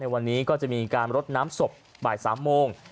วันนี้ก็จะมีการรดน้ำศพบ่าย๓โมง